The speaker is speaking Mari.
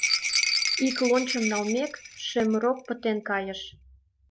Ик лончым налмек, шемрок пытен кайыш.